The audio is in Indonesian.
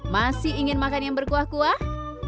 masih ingin makan yang berkuah kuah